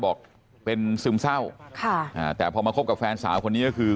บอกเป็นซึมเศร้าค่ะอ่าแต่พอมาคบกับแฟนสาวคนนี้ก็คือ